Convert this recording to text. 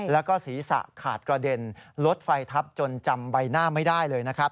แล้วก็ศีรษะขาดกระเด็นรถไฟทับจนจำใบหน้าไม่ได้เลยนะครับ